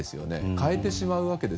買えてしまうわけです。